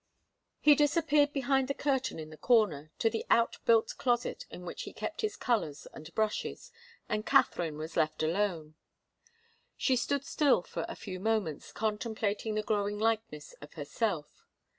He disappeared behind the curtain in the corner, to the out built closet in which he kept his colours and brushes, and Katharine was left alone. She stood still for a few moments contemplating the growing likeness of herself.